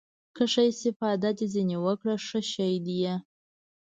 که ښه استفاده دې ځنې وکړه ښه شى ديه.